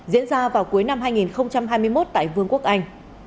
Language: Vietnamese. diễn ra vào cuối năm hai nghìn hai mươi một tại vương quốc anh